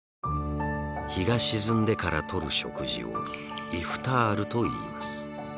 日が沈んでからとる食事をイフタールといいます。